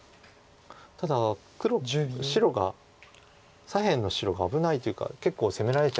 ただ白が左辺の白が危ないというか結構攻められちゃいそうですよね。